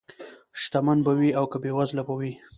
شتمن به وي او که بېوزله به وي.